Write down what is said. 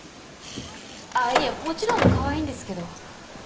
あぁいえもちろんかわいいんですけど。